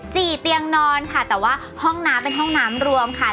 เตียงนอนค่ะแต่ว่าห้องน้ำเป็นห้องน้ำรวมค่ะ